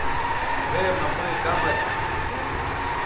گھئے مہ پئیں کم اسُو۔